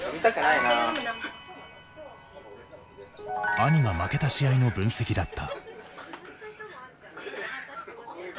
兄が負けた試合の分析だった。